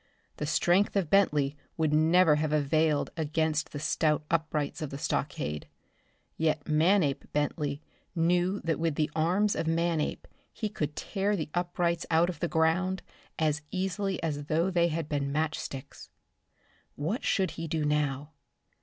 The strength of Bentley would never have availed against the stout uprights of the stockade. Yet Manape Bentley knew that with the arms of Manape he could tear the uprights out of the ground as easily as though they had been match sticks. What should he do now?